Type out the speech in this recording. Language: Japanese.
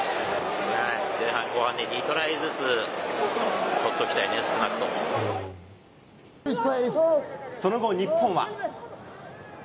前半、後半で２トライずつ取ってその後、日本は。